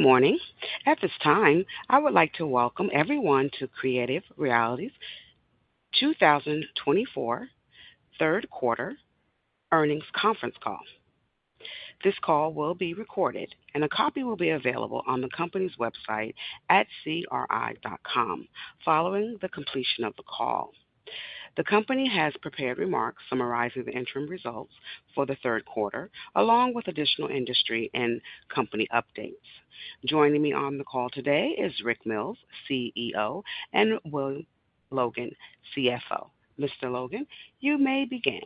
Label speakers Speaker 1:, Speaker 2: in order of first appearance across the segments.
Speaker 1: Good morning. At this time, I would like to welcome everyone to Creative Realities 2024 third quarter earnings conference call. This call will be recorded, and a copy will be available on the company's website at cr.com following the completion of the call. The company has prepared remarks summarizing the interim results for the third quarter, along with additional industry and company updates. Joining me on the call today is Rick Mills, CEO, and Will Logan, CFO. Mr. Logan, you may begin.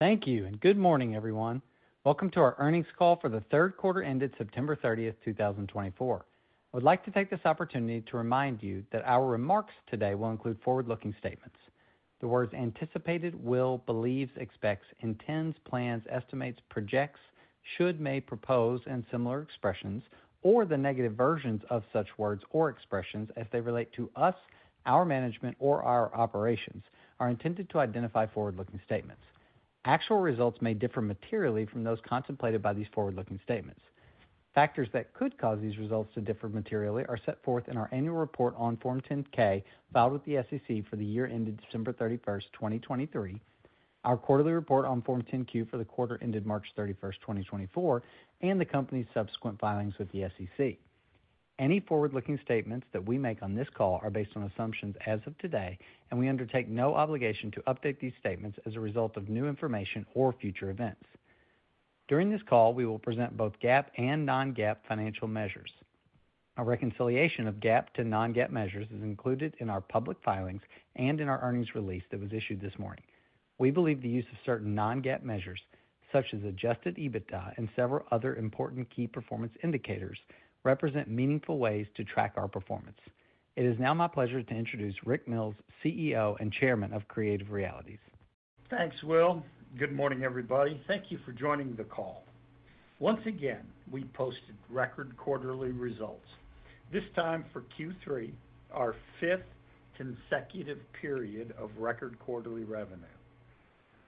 Speaker 2: Thank you, and good morning, everyone. Welcome to our earnings call for the third quarter ended September 30th, 2024. I would like to take this opportunity to remind you that our remarks today will include forward-looking statements. The words anticipated, will, believes, expects, intends, plans, estimates, projects, should, may, propose, and similar expressions, or the negative versions of such words or expressions as they relate to us, our management, or our operations, are intended to identify forward-looking statements. Actual results may differ materially from those contemplated by these forward-looking statements. Factors that could cause these results to differ materially are set forth in our annual report on Form 10-K filed with the SEC for the year ended December 31st, 2023, our quarterly report on Form 10-Q for the quarter ended March 31st, 2024, and the company's subsequent filings with the SEC. Any forward-looking statements that we make on this call are based on assumptions as of today, and we undertake no obligation to update these statements as a result of new information or future events. During this call, we will present both GAAP and non-GAAP financial measures. A reconciliation of GAAP to non-GAAP measures is included in our public filings and in our earnings release that was issued this morning. We believe the use of certain non-GAAP measures, such as adjusted EBITDA and several other important key performance indicators, represent meaningful ways to track our performance. It is now my pleasure to introduce Rick Mills, CEO and Chairman of Creative Realities.
Speaker 3: Thanks, Will. Good morning, everybody. Thank you for joining the call. Once again, we posted record quarterly results, this time for Q3, our fifth consecutive period of record quarterly revenue.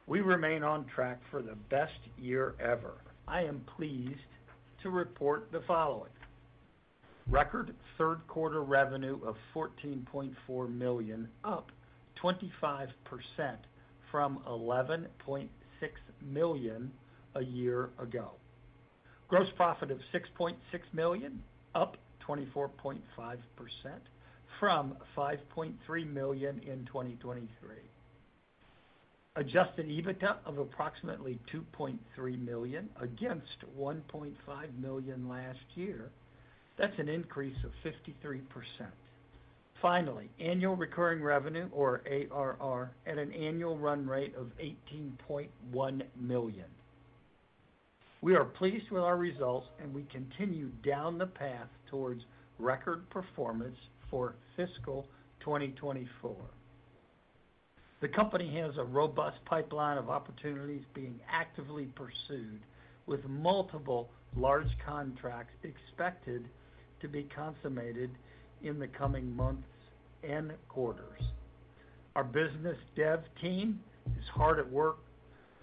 Speaker 3: We remain on track for the best year ever. I am pleased to report the following: record third quarter revenue of $14.4 million, up 25% from $11.6 million a year ago. Gross profit of $6.6 million, up 24.5% from $5.3 million in 2023. Adjusted EBITDA of approximately $2.3 million against $1.5 million last year. That's an increase of 53%. Finally, annual recurring revenue, or ARR, at an annual run rate of $18.1 million. We are pleased with our results, and we continue down the path towards record performance for fiscal 2024. The company has a robust pipeline of opportunities being actively pursued, with multiple large contracts expected to be consummated in the coming months and quarters. Our business dev team is hard at work,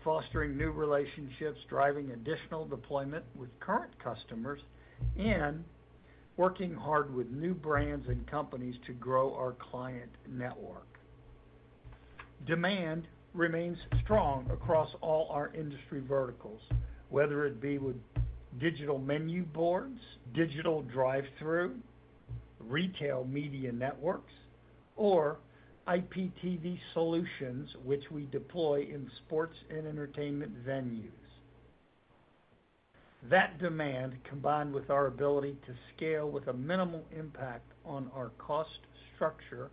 Speaker 3: fostering new relationships, driving additional deployment with current customers, and working hard with new brands and companies to grow our client network. Demand remains strong across all our industry verticals, whether it be with digital menu boards, digital drive-through, retail media networks, or IPTV solutions, which we deploy in sports and entertainment venues. That demand, combined with our ability to scale with a minimal impact on our cost structure,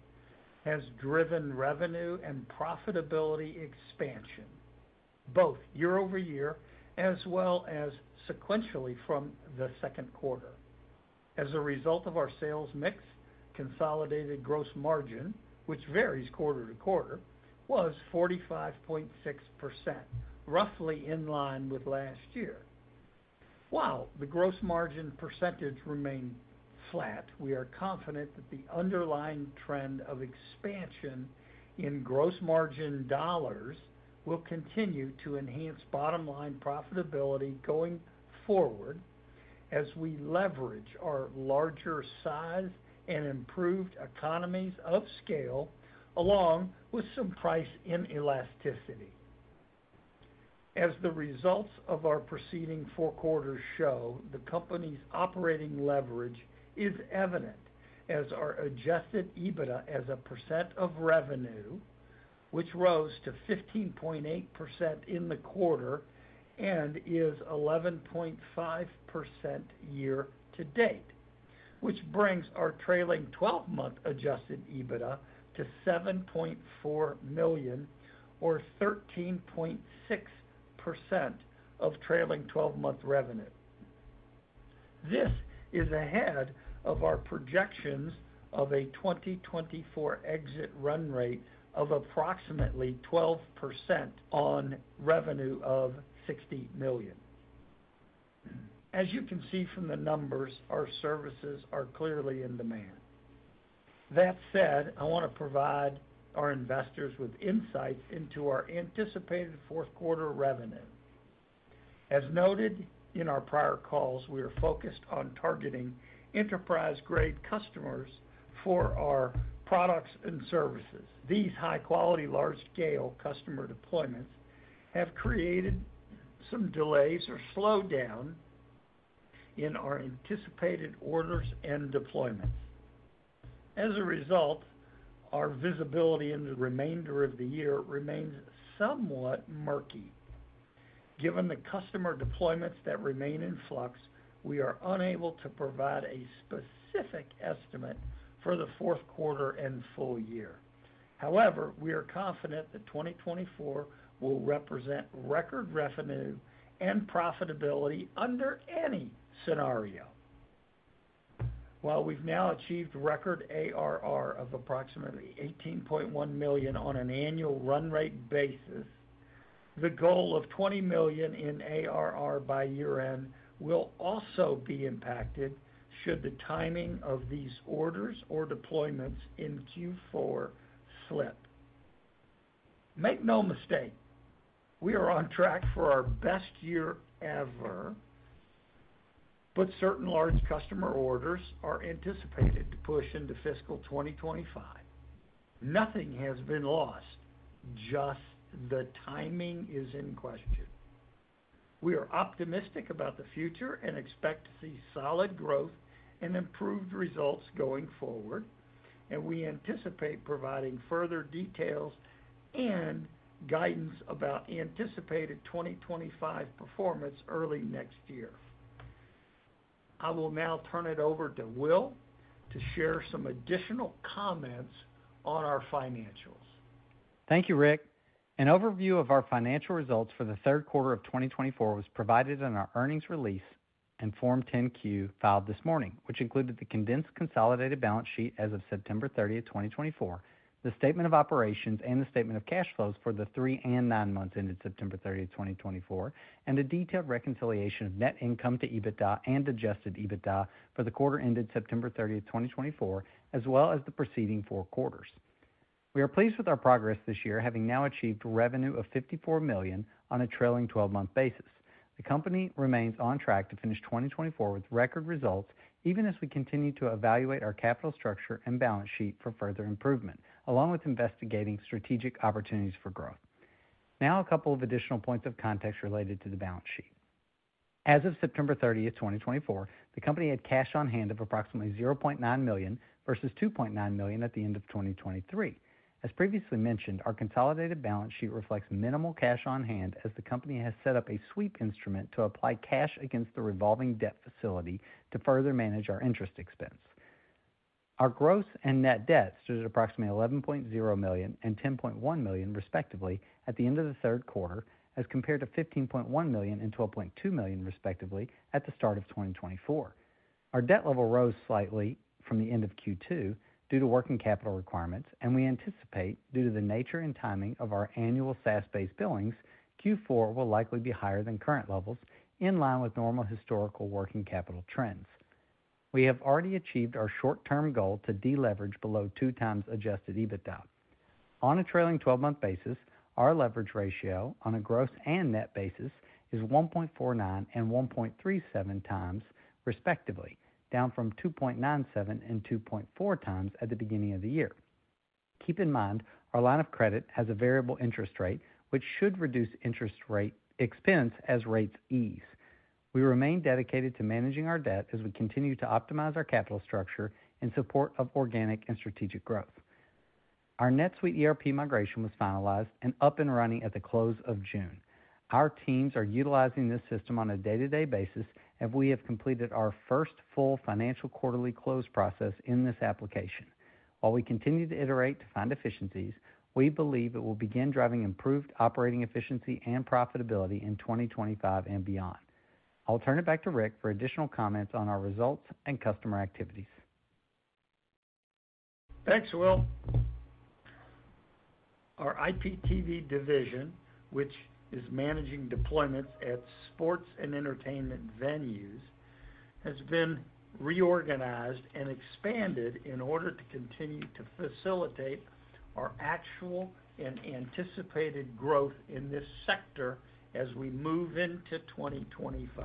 Speaker 3: has driven revenue and profitability expansion, both year-over-year as well as sequentially from the second quarter. As a result of our sales mix, consolidated gross margin, which varies quarter to quarter, was 45.6%, roughly in line with last year. While the gross margin percentage remained flat, we are confident that the underlying trend of expansion in gross margin dollars will continue to enhance bottom-line profitability going forward as we leverage our larger size and improved economies of scale, along with some price inelasticity. As the results of our preceding four quarters show, the company's operating leverage is evident, as our adjusted EBITDA as a percent of revenue, which rose to 15.8% in the quarter and is 11.5% year to date, which brings our trailing 12-month adjusted EBITDA to $7.4 million, or 13.6% of trailing 12-month revenue. This is ahead of our projections of a 2024 exit run rate of approximately 12% on revenue of $60 million. As you can see from the numbers, our services are clearly in demand. That said, I want to provide our investors with insights into our anticipated fourth quarter revenue. As noted in our prior calls, we are focused on targeting enterprise-grade customers for our products and services. These high-quality, large-scale customer deployments have created some delays or slowdowns in our anticipated orders and deployments. As a result, our visibility in the remainder of the year remains somewhat murky. Given the customer deployments that remain in flux, we are unable to provide a specific estimate for the fourth quarter and full year. However, we are confident that 2024 will represent record revenue and profitability under any scenario. While we've now achieved record ARR of approximately $18.1 million on an annual run rate basis, the goal of $20 million in ARR by year-end will also be impacted should the timing of these orders or deployments in Q4 slip. Make no mistake, we are on track for our best year ever, but certain large customer orders are anticipated to push into fiscal 2025. Nothing has been lost. Just the timing is in question. We are optimistic about the future and expect to see solid growth and improved results going forward, and we anticipate providing further details and guidance about anticipated 2025 performance early next year. I will now turn it over to Will to share some additional comments on our financials.
Speaker 2: Thank you, Rick. An overview of our financial results for the third quarter of 2024 was provided in our earnings release and Form 10-Q filed this morning, which included the condensed consolidated balance sheet as of September 30th, 2024, the statement of operations and the statement of cash flows for the three and nine months ended September 30th, 2024, and a detailed reconciliation of net income to EBITDA and adjusted EBITDA for the quarter ended September 30th, 2024, as well as the preceding four quarters. We are pleased with our progress this year, having now achieved revenue of $54 million on a trailing 12-month basis. The company remains on track to finish 2024 with record results, even as we continue to evaluate our capital structure and balance sheet for further improvement, along with investigating strategic opportunities for growth. Now, a couple of additional points of context related to the balance sheet. As of September 30th, 2024, the company had cash on hand of approximately $0.9 million versus $2.9 million at the end of 2023. As previously mentioned, our consolidated balance sheet reflects minimal cash on hand, as the company has set up a sweep instrument to apply cash against the revolving debt facility to further manage our interest expense. Our gross and net debt stood at approximately $11.0 million and $10.1 million, respectively, at the end of the third quarter, as compared to $15.1 million and $12.2 million, respectively, at the start of 2024. Our debt level rose slightly from the end of Q2 due to working capital requirements, and we anticipate, due to the nature and timing of our annual SaaS-based billings, Q4 will likely be higher than current levels, in line with normal historical working capital trends. We have already achieved our short-term goal to deleverage below two times adjusted EBITDA. On a trailing 12-month basis, our leverage ratio on a gross and net basis is 1.49 and 1.37 times, respectively, down from 2.97 and 2.4 times at the beginning of the year. Keep in mind, our line of credit has a variable interest rate, which should reduce interest rate expense as rates ease. We remain dedicated to managing our debt as we continue to optimize our capital structure in support of organic and strategic growth. Our NetSuite ERP migration was finalized and up and running at the close of June. Our teams are utilizing this system on a day-to-day basis, and we have completed our first full financial quarterly close process in this application. While we continue to iterate to find efficiencies, we believe it will begin driving improved operating efficiency and profitability in 2025 and beyond. I'll turn it back to Rick for additional comments on our results and customer activities.
Speaker 3: Thanks, Will. Our IPTV division, which is managing deployments at sports and entertainment venues, has been reorganized and expanded in order to continue to facilitate our actual and anticipated growth in this sector as we move into 2025.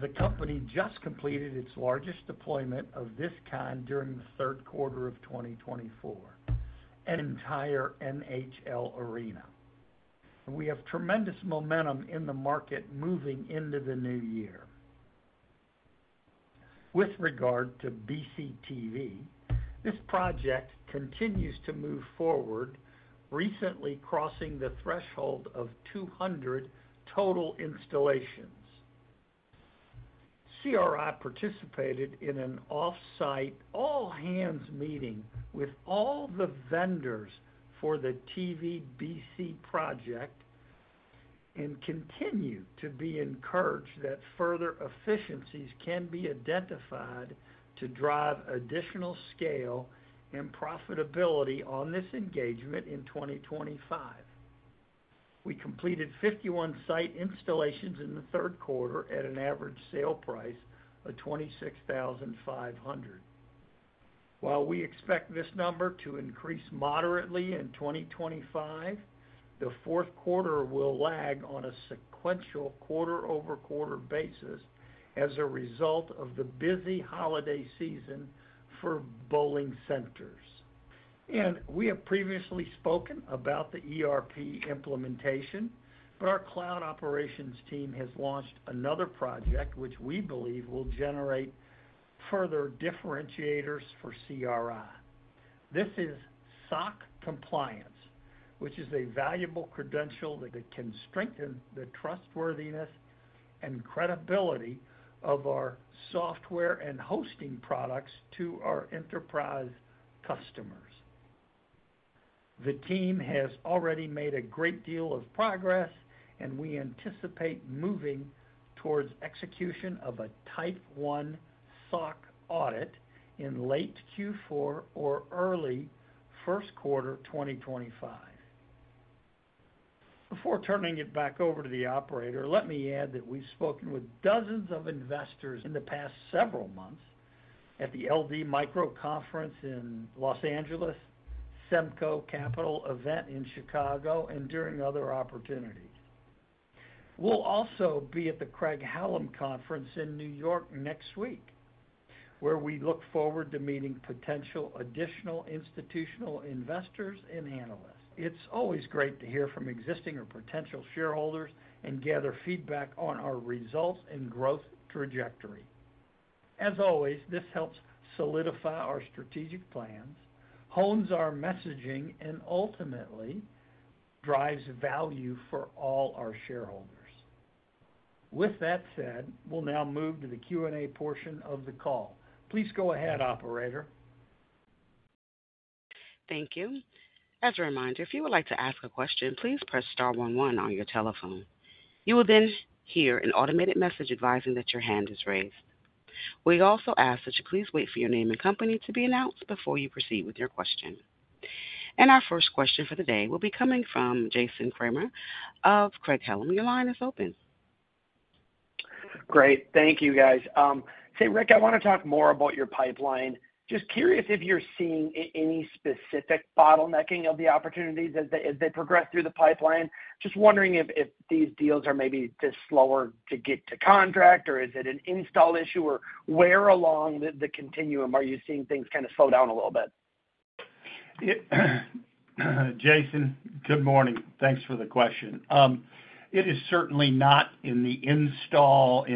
Speaker 3: The company just completed its largest deployment of this kind during the third quarter of 2024, an entire NHL arena. We have tremendous momentum in the market moving into the new year. With regard to BCTV, this project continues to move forward, recently crossing the threshold of 200 total installations. CRI participated in an off-site all-hands meeting with all the vendors for the BCTV project and continue to be encouraged that further efficiencies can be identified to drive additional scale and profitability on this engagement in 2025. We completed 51 site installations in the third quarter at an average sale price of $26,500. While we expect this number to increase moderately in 2025, the fourth quarter will lag on a sequential quarter-over-quarter basis as a result of the busy holiday season for bowling centers, and we have previously spoken about the ERP implementation, but our cloud operations team has launched another project which we believe will generate further differentiators for CRI. This is SOC compliance, which is a valuable credential that can strengthen the trustworthiness and credibility of our software and hosting products to our enterprise customers. The team has already made a great deal of progress, and we anticipate moving towards execution of a Type 1 SOC audit in late Q4 or early first quarter 2025. Before turning it back over to the operator, let me add that we've spoken with dozens of investors in the past several months at the LD Micro conference in Los Angeles, SEMCO Capital event in Chicago, and during other opportunities. We'll also be at the Craig-Hallum conference in New York next week, where we look forward to meeting potential additional institutional investors and analysts. It's always great to hear from existing or potential shareholders and gather feedback on our results and growth trajectory. As always, this helps solidify our strategic plans, hones our messaging, and ultimately drives value for all our shareholders. With that said, we'll now move to the Q&A portion of the call. Please go ahead, Operator.
Speaker 1: Thank you. As a reminder, if you would like to ask a question, please press star 11 on your telephone. You will then hear an automated message advising that your hand is raised. We also ask that you please wait for your name and company to be announced before you proceed with your question. And our first question for the day will be coming from Jason Kreyer of Craig-Hallum. Your line is open.
Speaker 4: Great. Thank you, guys. Say, Rick, I want to talk more about your pipeline. Just curious if you're seeing any specific bottlenecking of the opportunities as they progress through the pipeline. Just wondering if these deals are maybe just slower to get to contract, or is it an install issue, or where along the continuum are you seeing things kind of slow down a little bit?
Speaker 3: Jason, good morning. Thanks for the question. It is certainly not in the installation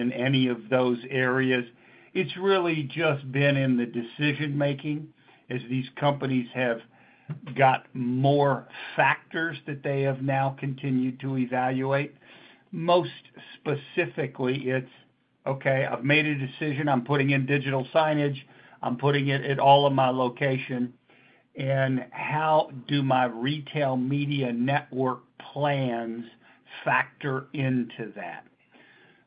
Speaker 3: in any of those areas. It's really just been in the decision-making as these companies have got more factors that they have now continued to evaluate. Most specifically, it's, okay, I've made a decision, I'm putting in digital signage, I'm putting it at all of my locations, and how do my retail media network plans factor into that?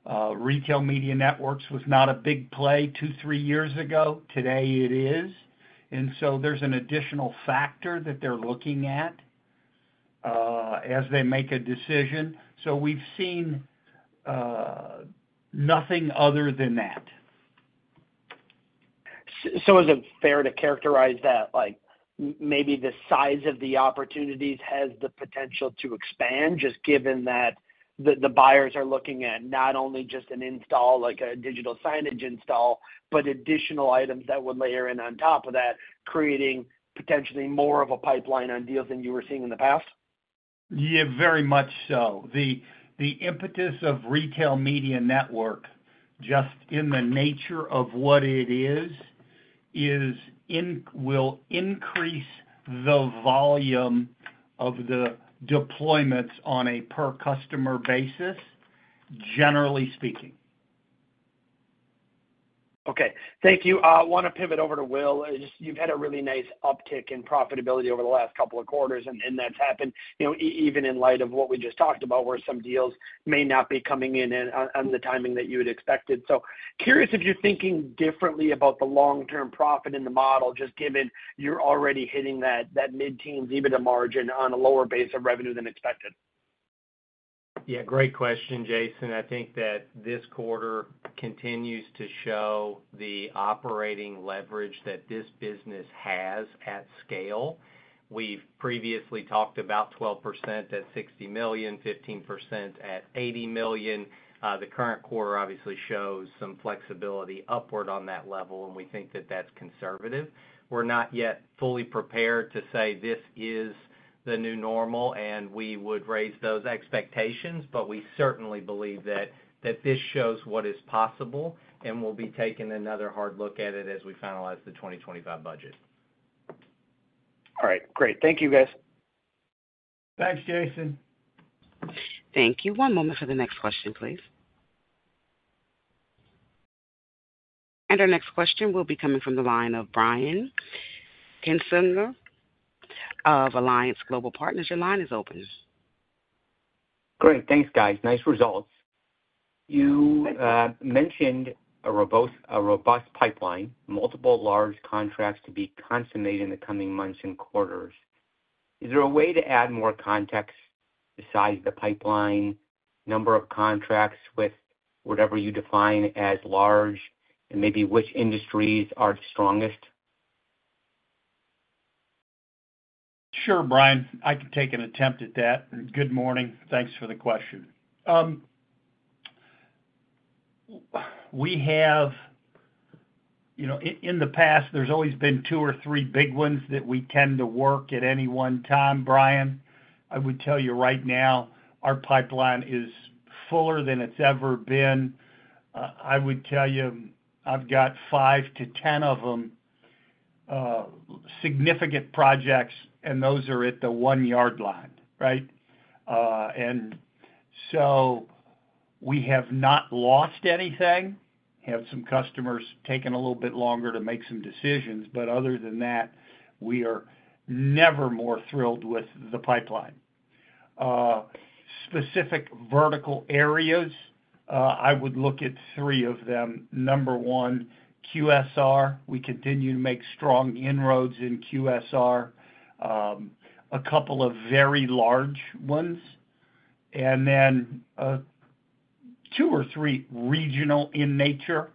Speaker 3: Retail media networks was not a big play two, three years ago. Today, it is. And so there's an additional factor that they're looking at as they make a decision. So we've seen nothing other than that.
Speaker 4: Is it fair to characterize that maybe the size of the opportunities has the potential to expand, just given that the buyers are looking at not only just an install, like a digital signage install, but additional items that would layer in on top of that, creating potentially more of a pipeline on deals than you were seeing in the past?
Speaker 3: Yeah, very much so. The impetus of retail media network, just in the nature of what it is, will increase the volume of the deployments on a per-customer basis, generally speaking.
Speaker 4: Okay. Thank you. I want to pivot over to Will. You've had a really nice uptick in profitability over the last couple of quarters, and that's happened even in light of what we just talked about, where some deals may not be coming in on the timing that you had expected. So curious if you're thinking differently about the long-term profit in the model, just given you're already hitting that mid-teens EBITDA margin on a lower base of revenue than expected?
Speaker 2: Yeah. Great question, Jason. I think that this quarter continues to show the operating leverage that this business has at scale. We've previously talked about 12% at $60 million, 15% at $80 million. The current quarter obviously shows some flexibility upward on that level, and we think that that's conservative. We're not yet fully prepared to say this is the new normal, and we would raise those expectations, but we certainly believe that this shows what is possible, and we'll be taking another hard look at it as we finalize the 2025 budget.
Speaker 4: All right. Great. Thank you, guys.
Speaker 3: Thanks, Jason.
Speaker 1: Thank you. One moment for the next question, please. And our next question will be coming from the line of Brian Kinstlinger of Alliance Global Partners. Your line is open.
Speaker 5: Great. Thanks, guys. Nice results. You mentioned a robust pipeline, multiple large contracts to be consummated in the coming months and quarters. Is there a way to add more context besides the pipeline, number of contracts with whatever you define as large, and maybe which industries are strongest?
Speaker 3: Sure, Brian. I can take an attempt at that. Good morning. Thanks for the question. In the past, there's always been two or three big ones that we tend to work at any one time. Brian, I would tell you right now, our pipeline is fuller than it's ever been. I would tell you I've got 5 to 10 of them significant projects, and those are at the one-yard line, right, and so we have not lost anything. We have some customers taking a little bit longer to make some decisions, but other than that, we are never more thrilled with the pipeline. Specific vertical areas, I would look at three of them. Number one, QSR. We continue to make strong inroads in QSR, a couple of very large ones, and then two or three regional in nature.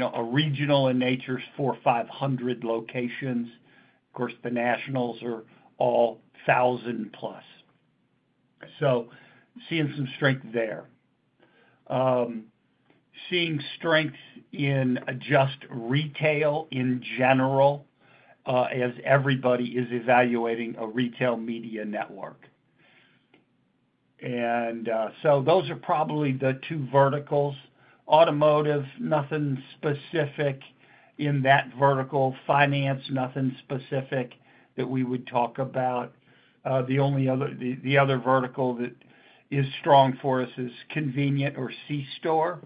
Speaker 3: A regional in nature is four or five hundred locations. Of course, the nationals are all thousand plus. So, seeing some strength there. Seeing strength in QSR retail in general as everybody is evaluating a retail media network. And so those are probably the two verticals. Automotive, nothing specific in that vertical. Finance, nothing specific that we would talk about. The other vertical that is strong for us is convenience or C-Store,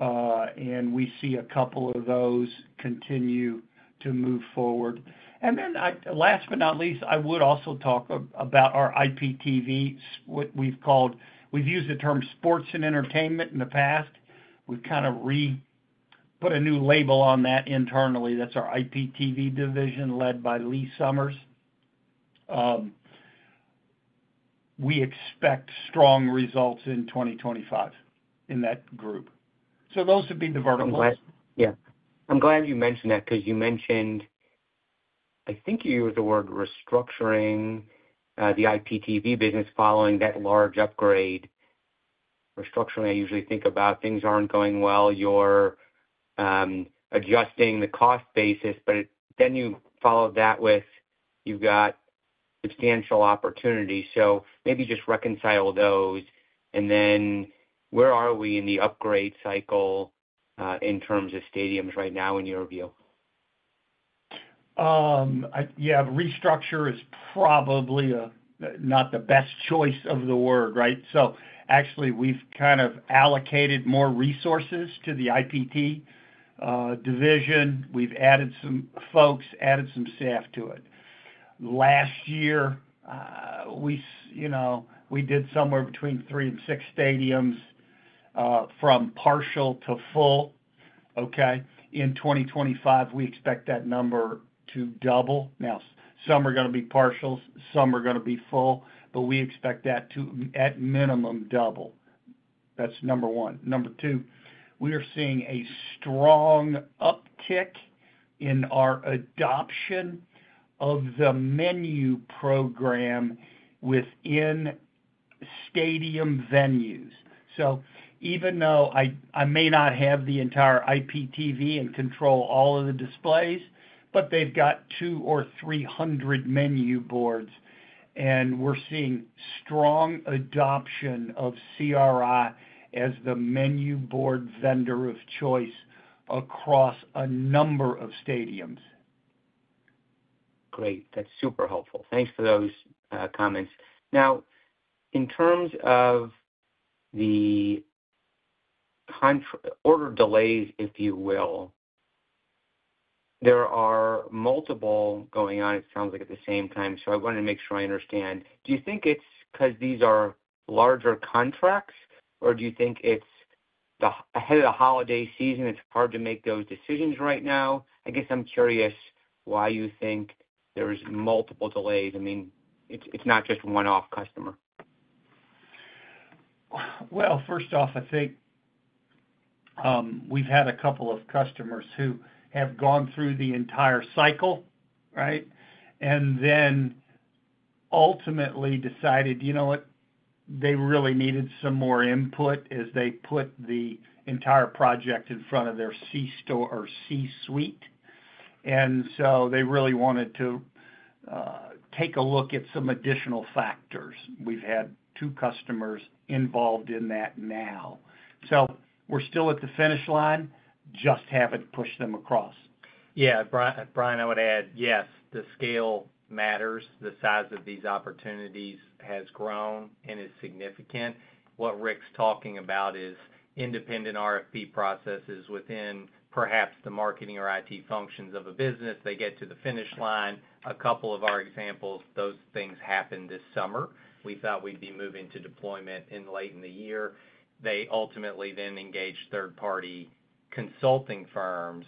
Speaker 3: and we see a couple of those continue to move forward. And then last but not least, I would also talk about our IPTV, what we've called, we've used the term sports and entertainment in the past. We've kind of put a new label on that internally. That's our IPTV division led by Lee Summers. We expect strong results in 2025 in that group. So those would be the verticals.
Speaker 5: Yeah. I'm glad you mentioned that because you mentioned, I think, you used the word restructuring the IPTV business following that large upgrade. Restructuring, I usually think about things aren't going well. You're adjusting the cost basis, but then you follow that with, you've got substantial opportunity. So maybe just reconcile those. And then where are we in the upgrade cycle in terms of stadiums right now in your view?
Speaker 3: Yeah. Restructure is probably not the best choice of the word, right? So actually, we've kind of allocated more resources to the IPT division. We've added some folks, added some staff to it. Last year, we did somewhere between three and six stadiums from partial to full, okay? In 2025, we expect that number to double. Now, some are going to be partials, some are going to be full, but we expect that to at minimum double. That's number one. Number two, we are seeing a strong uptick in our adoption of the menu program within stadium venues. So even though I may not have the entire IPTV and control all of the displays, but they've got two or three hundred menu boards, and we're seeing strong adoption of CRI as the menu board vendor of choice across a number of stadiums.
Speaker 5: Great. That's super helpful. Thanks for those comments. Now, in terms of the order delays, if you will, there are multiple going on, it sounds like, at the same time. So I wanted to make sure I understand. Do you think it's because these are larger contracts, or do you think it's ahead of the holiday season? It's hard to make those decisions right now. I guess I'm curious why you think there's multiple delays. I mean, it's not just one-off customer.
Speaker 3: First off, I think we've had a couple of customers who have gone through the entire cycle, right, and then ultimately decided, you know what, they really needed some more input as they put the entire project in front of their C-Store or C-Suite, and so they really wanted to take a look at some additional factors. We've had two customers involved in that now, so we're still at the finish line, just haven't pushed them across.
Speaker 2: Yeah. Brian, I would add, yes, the scale matters. The size of these opportunities has grown and is significant. What Rick's talking about is independent RFP processes within perhaps the marketing or IT functions of a business. They get to the finish line. A couple of our examples, those things happened this summer. We thought we'd be moving to deployment in late in the year. They ultimately then engaged third-party consulting firms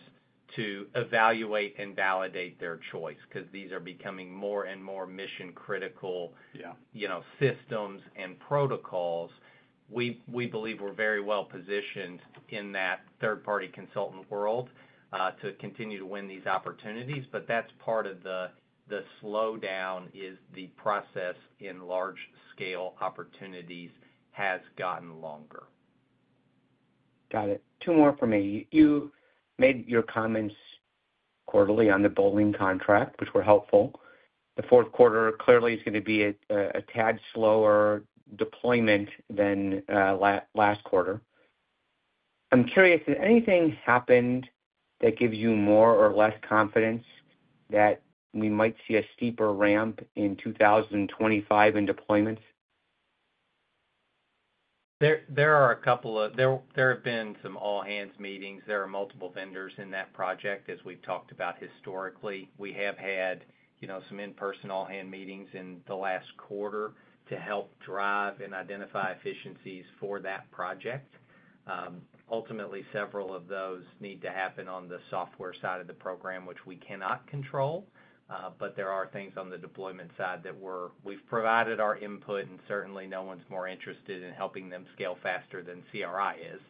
Speaker 2: to evaluate and validate their choice because these are becoming more and more mission-critical systems and protocols. We believe we're very well positioned in that third-party consultant world to continue to win these opportunities, but that's part of the slowdown is the process in large-scale opportunities has gotten longer.
Speaker 5: Got it. Two more for me. You made your comments quarterly on the bowling contract, which were helpful. The fourth quarter clearly is going to be a tad slower deployment than last quarter. I'm curious, did anything happen that gives you more or less confidence that we might see a steeper ramp in 2025 in deployments?
Speaker 2: There have been some all-hands meetings. There are multiple vendors in that project, as we've talked about historically. We have had some in-person all-hands meetings in the last quarter to help drive and identify efficiencies for that project. Ultimately, several of those need to happen on the software side of the program, which we cannot control, but there are things on the deployment side that we've provided our input, and certainly no one's more interested in helping them scale faster than CRI is.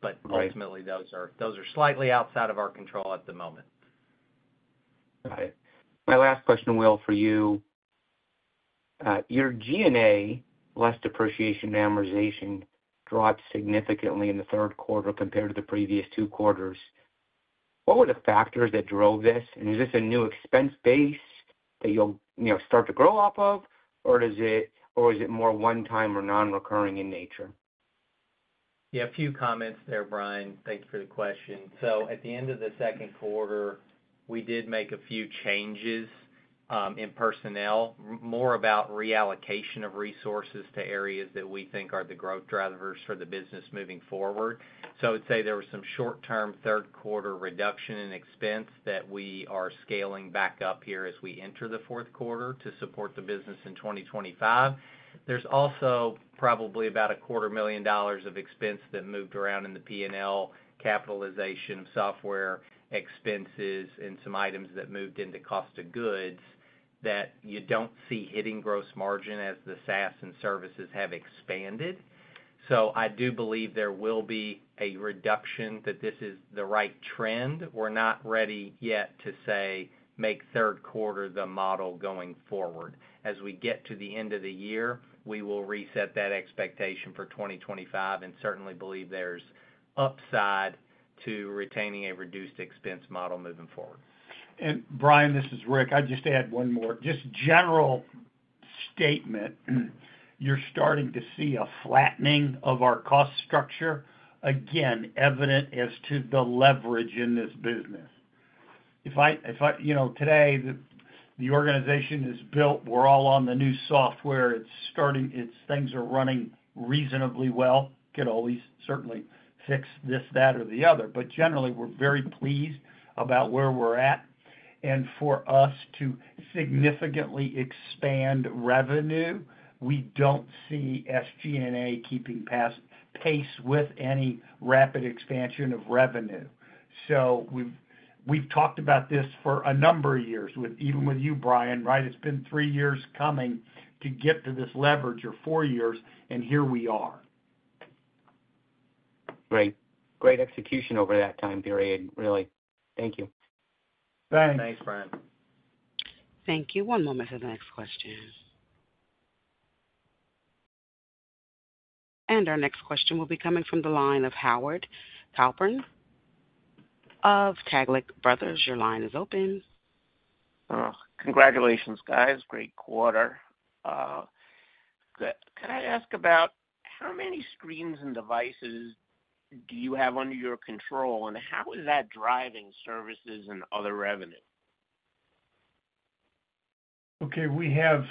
Speaker 2: But ultimately, those are slightly outside of our control at the moment.
Speaker 5: Got it. My last question, Will, for you. Your G&A, less depreciation and amortization dropped significantly in the third quarter compared to the previous two quarters. What were the factors that drove this? And is this a new expense base that you'll start to grow off of, or is it more one-time or non-recurring in nature?
Speaker 2: Yeah. A few comments there, Brian. Thank you for the question. So at the end of the second quarter, we did make a few changes in personnel, more about reallocation of resources to areas that we think are the growth drivers for the business moving forward. So I would say there was some short-term third quarter reduction in expense that we are scaling back up here as we enter the fourth quarter to support the business in 2025. There's also probably about $250,000 of expense that moved around in the P&L capitalizing software expenses and some items that moved into cost of goods that you don't see hitting gross margin as the SaaS and services have expanded. So I do believe there will be a reduction, that this is the right trend. We're not ready yet to say, "Make third quarter the model going forward." As we get to the end of the year, we will reset that expectation for 2025 and certainly believe there's upside to retaining a reduced expense model moving forward.
Speaker 3: Brian, this is Rick. I'd just add one more. Just general statement, you're starting to see a flattening of our cost structure again, evident as to the leverage in this business. If today the organization is built, we're all on the new software, things are running reasonably well. It could always certainly fix this, that, or the other. But generally, we're very pleased about where we're at. For us to significantly expand revenue, we don't see SG&A keeping pace with any rapid expansion of revenue. We've talked about this for a number of years, even with you, Brian, right? It's been three years coming to get to this leverage or four years, and here we are.
Speaker 5: Great. Great execution over that time period, really. Thank you.
Speaker 3: Thanks.
Speaker 2: Thanks, Brian.
Speaker 1: Thank you. One moment for the next question. And our next question will be coming from the line of Howard Halpern of Taglich Brothers. Your line is open.
Speaker 6: Congratulations, guys. Great quarter. Can I ask about how many screens and devices do you have under your control, and how is that driving services and other revenue?
Speaker 3: Okay. We have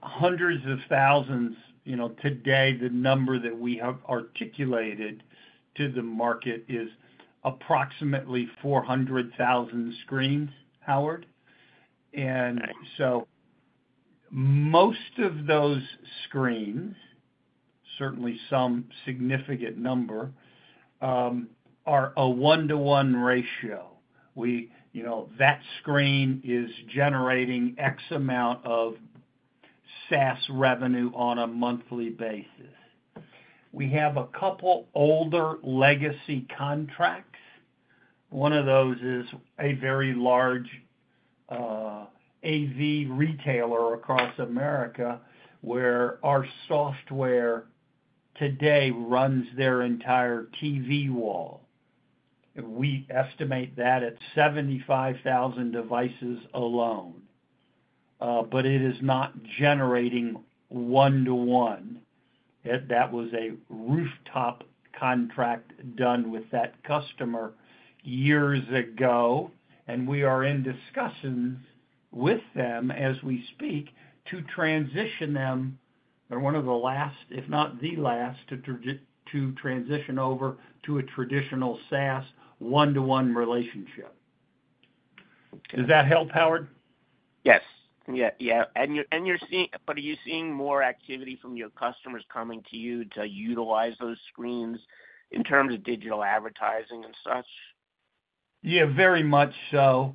Speaker 3: hundreds of thousands. Today, the number that we have articulated to the market is approximately 400,000 screens, Howard, and so most of those screens, certainly some significant number, are a one-to-one ratio. That screen is generating X amount of SaaS revenue on a monthly basis. We have a couple older legacy contracts. One of those is a very large AV retailer across America where our software today runs their entire TV wall. We estimate that at 75,000 devices alone, but it is not generating one-to-one. That was a rooftop contract done with that customer years ago, and we are in discussions with them as we speak to transition them or one of the last, if not the last, to transition over to a traditional SaaS one-to-one relationship. Does that help, Howard?
Speaker 6: Yes. Yeah. But are you seeing more activity from your customers coming to you to utilize those screens in terms of digital advertising and such?
Speaker 3: Yeah, very much so.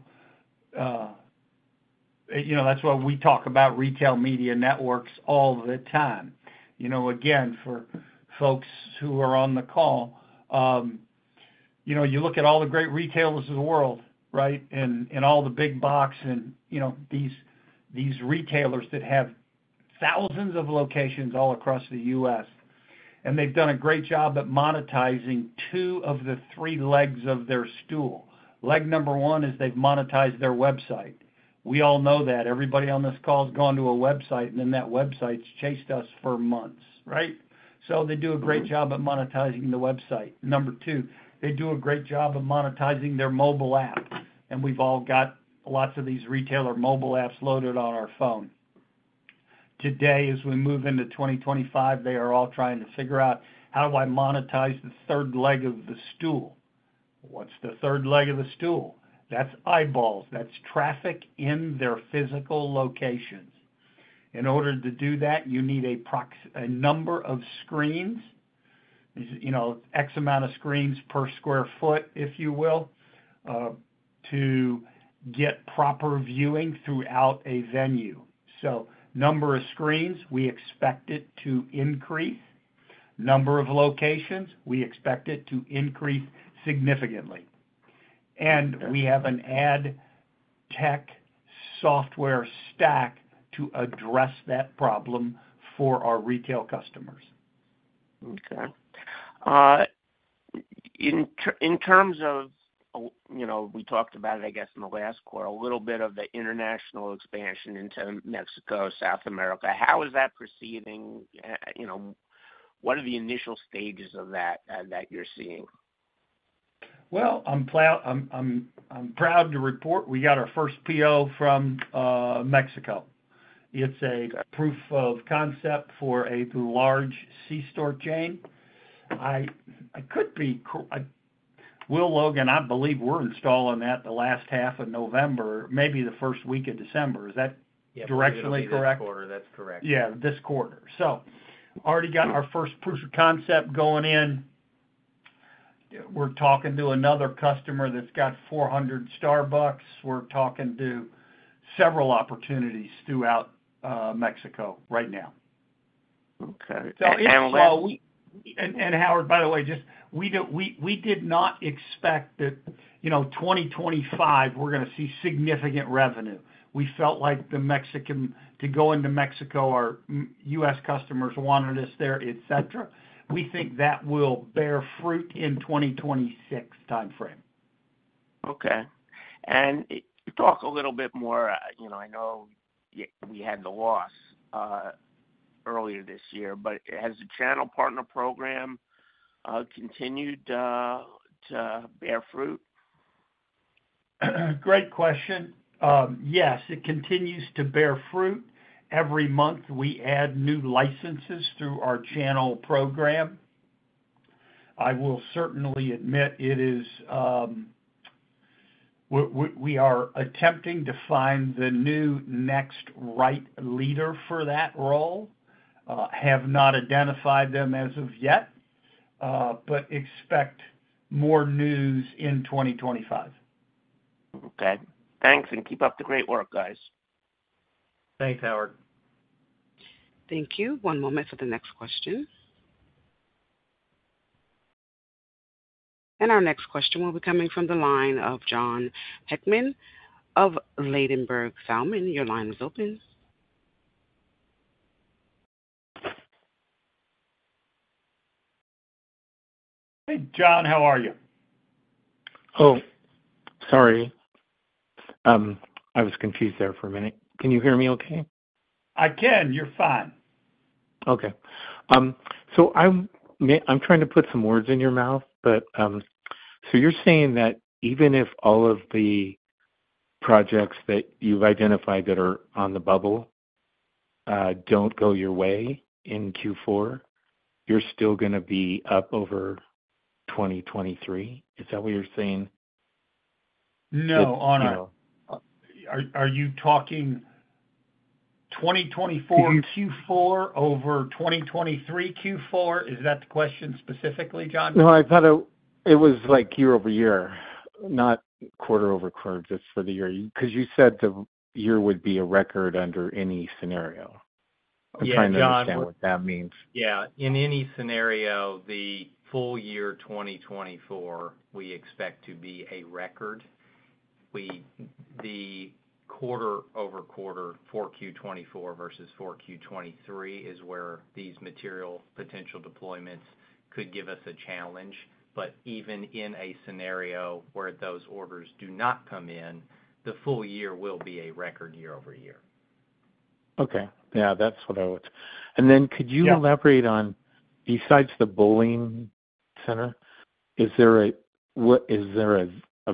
Speaker 3: That's why we talk about retail media networks all the time. Again, for folks who are on the call, you look at all the great retailers of the world, right, and all the big box and these retailers that have thousands of locations all across the U.S., and they've done a great job at monetizing two of the three legs of their stool. Leg number one is they've monetized their website. We all know that. Everybody on this call has gone to a website, and then that website's chased us for months, right? So they do a great job at monetizing the website. Number two, they do a great job of monetizing their mobile app, and we've all got lots of these retailer mobile apps loaded on our phone. Today, as we move into 2025, they are all trying to figure out, "How do I monetize the third leg of the stool?" What's the third leg of the stool? That's eyeballs. That's traffic in their physical locations. In order to do that, you need a number of screens, X amount of screens per sq ft, if you will, to get proper viewing throughout a venue, so number of screens, we expect it to increase. Number of locations, we expect it to increase significantly, and we have an ad tech software stack to address that problem for our retail customers.
Speaker 6: Okay. In terms of we talked about it, I guess, in the last quarter, a little bit of the international expansion into Mexico, South America. How is that proceeding? What are the initial stages of that that you're seeing?
Speaker 3: I'm proud to report we got our first PO from Mexico. It's a proof of concept for a large C-Store chain. Will Logan, I believe we're installing that the last half of November, maybe the first week of December. Is that directionally correct?
Speaker 2: Yeah. This quarter, that's correct.
Speaker 3: Yeah. This quarter. So already got our first proof of concept going in. We're talking to another customer that's got 400 Starbucks. We're talking to several opportunities throughout Mexico right now.
Speaker 6: Okay.
Speaker 2: And Howard, by the way, we did not expect that 2025, we're going to see significant revenue. We felt like the Mexicans to go into Mexico, our U.S. customers wanted us there, etc. We think that will bear fruit in the 2026 timeframe.
Speaker 6: Okay. And talk a little bit more. I know we had the loss earlier this year, but has the channel partner program continued to bear fruit?
Speaker 3: Great question. Yes, it continues to bear fruit. Every month, we add new licenses through our channel program. I will certainly admit, we are attempting to find the next right leader for that role. I have not identified them as of yet, but expect more news in 2025.
Speaker 6: Okay. Thanks, and keep up the great work, guys.
Speaker 2: Thanks, Howard.
Speaker 1: Thank you. One moment for the next question. Our next question will be coming from the line of Jon Hickman of Ladenburg Thalmann. Your line is open.
Speaker 3: Hey, John, how are you?
Speaker 7: Oh, sorry. I was confused there for a minute. Can you hear me okay?
Speaker 3: I can. You're fine.
Speaker 7: Okay, so I'm trying to put some words in your mouth, but so you're saying that even if all of the projects that you've identified that are on the bubble don't go your way in Q4, you're still going to be up over 2023. Is that what you're saying?
Speaker 3: No, Jon. Are you talking 2024 Q4 over 2023 Q4? Is that the question specifically, Jon?
Speaker 7: No, I thought it was year over year, not quarter over quarter. It's for the year because you said the year would be a record under any scenario. I'm trying to understand what that means.
Speaker 2: Yeah. In any scenario, the full year 2024, we expect to be a record. The quarter over quarter, 4Q24 versus 4Q23, is where these material potential deployments could give us a challenge. But even in a scenario where those orders do not come in, the full year will be a record year over year.
Speaker 7: Okay. Yeah. That's what I would, and then could you elaborate on, besides the bowling center, is there a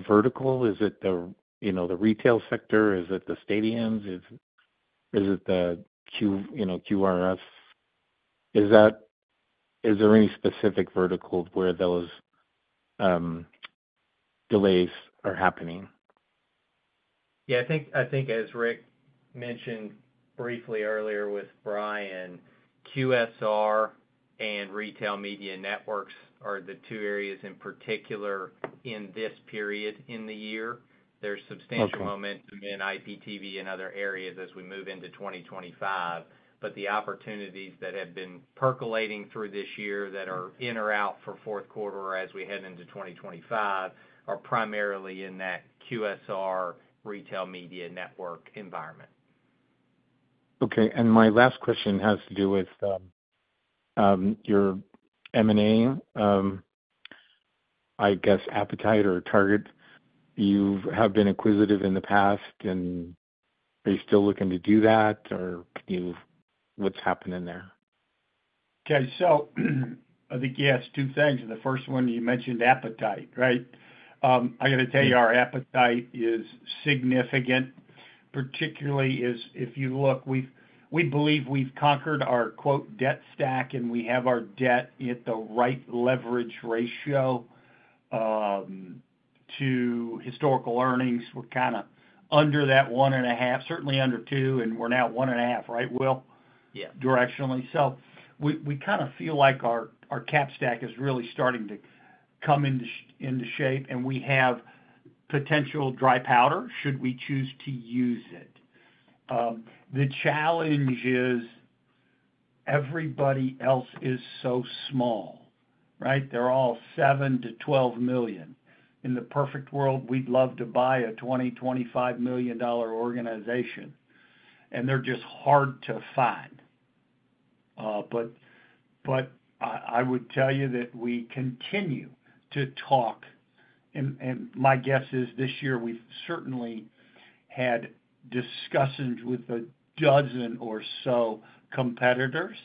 Speaker 7: vertical? Is it the retail sector? Is it the stadiums? Is it the QRS? Is there any specific vertical where those delays are happening?
Speaker 2: Yeah. I think, as Rick mentioned briefly earlier with Brian, QSR and retail media networks are the two areas in particular in this period in the year. There's substantial momentum in IPTV and other areas as we move into 2025. But the opportunities that have been percolating through this year that are in or out for fourth quarter or as we head into 2025 are primarily in that QSR retail media network environment.
Speaker 7: Okay. And my last question has to do with your M&A, I guess, appetite or target. You have been inquisitive in the past, and are you still looking to do that, or what's happening there?
Speaker 3: Okay. So I think you asked two things. The first one, you mentioned appetite, right? I got to tell you, our appetite is significant, particularly if you look. We believe we've conquered our "debt stack," and we have our debt at the right leverage ratio to historical earnings. We're kind of under that one and a half, certainly under two, and we're now one and a half, right, Will, directionally? So we kind of feel like our cap stack is really starting to come into shape, and we have potential dry powder should we choose to use it. The challenge is everybody else is so small, right? They're all $7-$12 million. In the perfect world, we'd love to buy a $20-$25 million-dollar organization, and they're just hard to find. But I would tell you that we continue to talk, and my guess is this year we've certainly had discussions with a dozen or so competitors,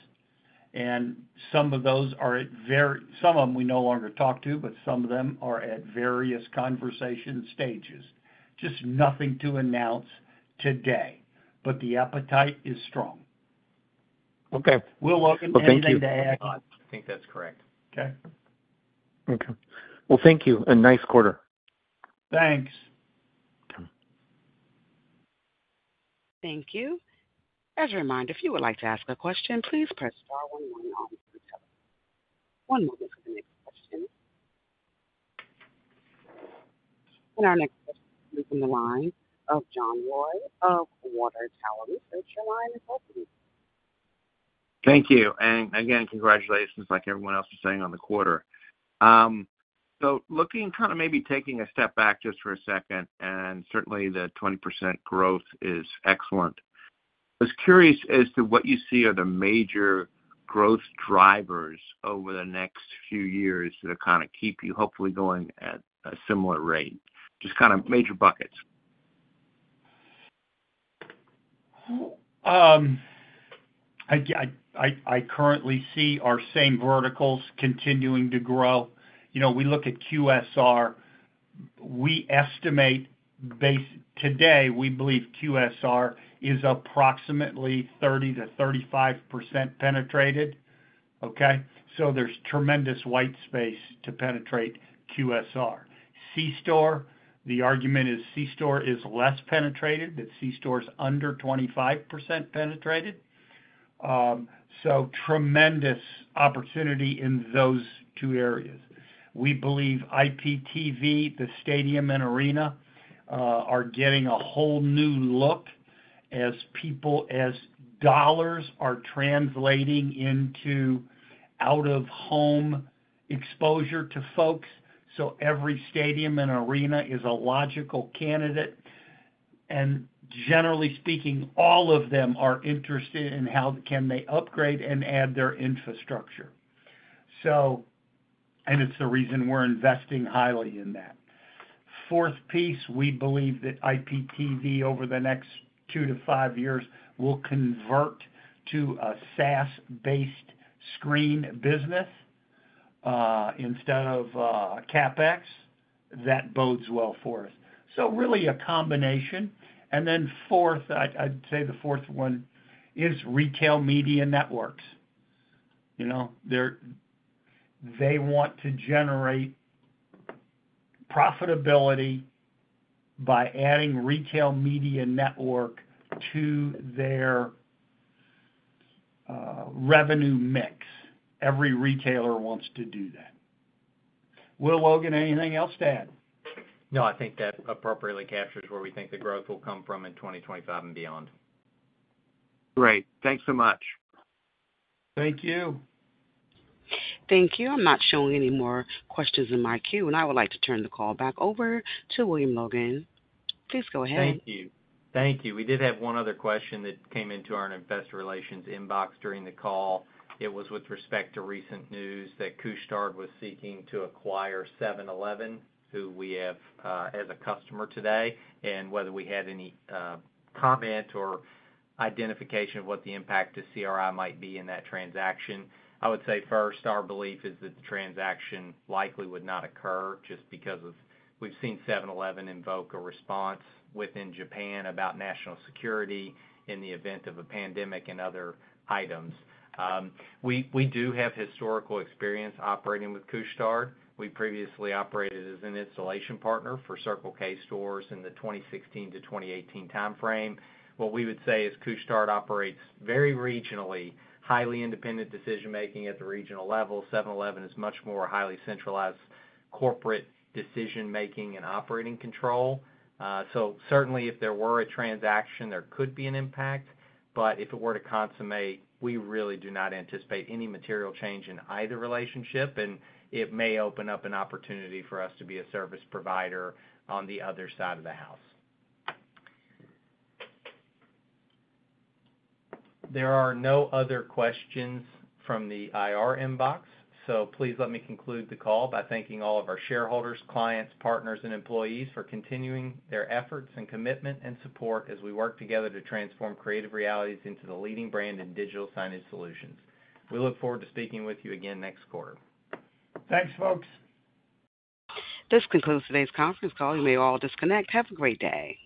Speaker 3: and some of those are at, some of them we no longer talk to, but some of them are at various conversation stages. Just nothing to announce today, but the appetite is strong.
Speaker 7: Okay.
Speaker 3: Will Logan, anything to add?
Speaker 2: I think that's correct.
Speaker 7: Okay. Well, thank you and nice quarter.
Speaker 3: Thanks.
Speaker 1: Thank you. As a reminder, if you would like to ask a question, please press star 11 on the record. One moment for the next question. And our next question is from the line of John Roy of Water Tower Research. Your line is open.
Speaker 8: Thank you and again, congratulations, like everyone else is saying, on the quarter so looking kind of maybe taking a step back just for a second, and certainly the 20% growth is excellent. I was curious as to what you see are the major growth drivers over the next few years that will kind of keep you hopefully going at a similar rate, just kind of major buckets.
Speaker 3: I currently see our same verticals continuing to grow. We look at QSR. We estimate today we believe QSR is approximately 30%-35% penetrated, okay? So there's tremendous white space to penetrate QSR. C-Store, the argument is C-Store is less penetrated. The C-Store is under 25% penetrated. So tremendous opportunity in those two areas. We believe IPTV, the stadium and arena, are getting a whole new look as dollars are translating into out-of-home exposure to folks. So every stadium and arena is a logical candidate, And generally speaking, all of them are interested in how can they upgrade and add their infrastructure, and it's the reason we're investing highly in that. Fourth piece, we believe that IPTV over the next two to five years will convert to a SaaS-based screen business instead of CapEx. That bodes well for us. So really a combination. Then fourth, I'd say the fourth one is retail media networks. They want to generate profitability by adding retail media network to their revenue mix. Every retailer wants to do that. Will Logan, anything else to add?
Speaker 2: No, I think that appropriately captures where we think the growth will come from in 2025 and beyond.
Speaker 6: Great. Thanks so much.
Speaker 3: Thank you.
Speaker 1: Thank you. I'm not showing any more questions in my queue, and I would like to turn the call back over to William Logan. Please go ahead.
Speaker 2: Thank you. Thank you. We did have one other question that came into our investor relations inbox during the call. It was with respect to recent news that Couche-Tard was seeking to acquire 7-Eleven, who we have as a customer today, and whether we had any comment or identification of what the impact to CRI might be in that transaction. I would say first, our belief is that the transaction likely would not occur just because we've seen 7-Eleven invoke a response within Japan about national security in the event of a pandemic and other items. We do have historical experience operating with Couche-Tard. We previously operated as an installation partner for Circle K stores in the 2016 to 2018 timeframe. What we would say is Couche-Tard operates very regionally, highly independent decision-making at the regional level. 7-Eleven is much more highly centralized corporate decision-making and operating control. So certainly, if there were a transaction, there could be an impact. But if it were to consummate, we really do not anticipate any material change in either relationship, and it may open up an opportunity for us to be a service provider on the other side of the house. There are no other questions from the IR inbox, so please let me conclude the call by thanking all of our shareholders, clients, partners, and employees for continuing their efforts and commitment and support as we work together to transform Creative Realities into the leading brand in digital signage solutions. We look forward to speaking with you again next quarter.
Speaker 3: Thanks, folks.
Speaker 1: This concludes today's conference call. You may all disconnect. Have a great day.